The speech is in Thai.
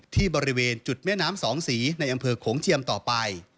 ที่บริเวณจุดแม่น้ำสองสีในอำเภอโขงเทียมต่อไป